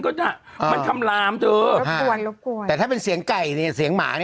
โอ้แต่มันดังแล้ว